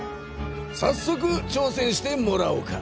さっそく挑戦してもらおうか。